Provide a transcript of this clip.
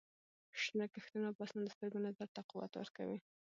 شنه کښتونه او فصلونه د سترګو نظر ته قوت ورکوي.